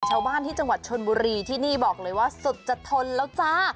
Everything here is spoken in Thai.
ชาวบ้านที่จังหวัดชนบุรีที่นี่บอกเลยว่าสุดจะทนแล้วจ้า